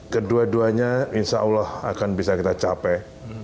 kedua duanya insya allah akan bisa kita capai